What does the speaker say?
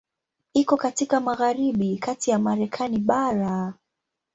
Iko katika magharibi kati ya Marekani bara.